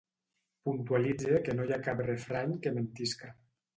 Puntualitze que no hi ha cap refrany que mentisca.